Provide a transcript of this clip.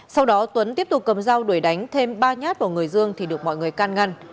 sau đó tuấn tiếp tục cầm dao đuổi đánh thêm ba nhát vào người dương thì được mọi người can ngăn